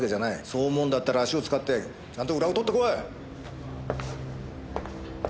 そう思うんだったら足を使ってちゃんとウラを取って来い！